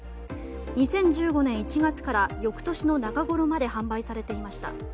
２０１５年１月から翌年の中ごろまで販売されていました。